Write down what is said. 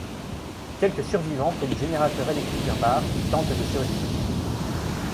Quelques survivants près du générateur électrique d’un bar, tentent de survivre.